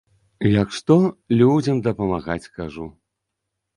Як што, людзям дапамагаць, кажу.